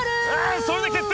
それで決定！